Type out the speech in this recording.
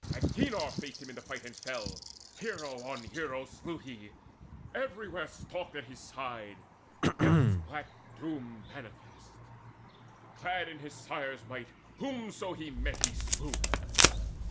Agenor faced him in the fight, and fell: Hero on hero slew he; everywhere Stalked at his side Death's black doom manifest: Clad in his sire's might, whomso he met he slew.